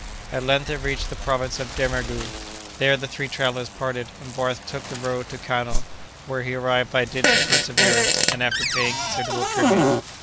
At length it reached the province of Damerghou; there the three travellers parted, and Barth took the road to Kano, where he arrived by dint of perseverance, and after paying considerable tribute.